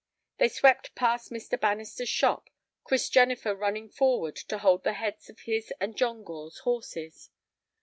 They swept past Mr. Bannister's shop, Chris Jennifer running forward to hold the heads of his and John Gore's horses.